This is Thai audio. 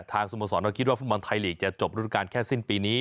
ทางสมสรรคิดว่าฝุ่นปันไทยหลีกจะจบรูดการแค่สิ้นปีนี้